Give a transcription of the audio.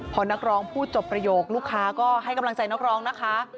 พอนักร้องพูดจบประโยคลูกค้าก็ให้กำลังใจนักร้องนะคะ